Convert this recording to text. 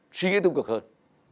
suy nghĩ tương cực hơn